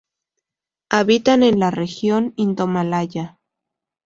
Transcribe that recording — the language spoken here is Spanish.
Habitan en la región indomalaya.